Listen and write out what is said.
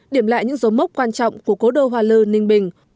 điểm lại những dấu mốc quan trọng của cố đô hoa lư ninh bình